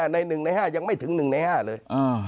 ใน๑ใน๕ยังไม่ถึง๑ใน๕เลย